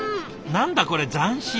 何だこれ斬新。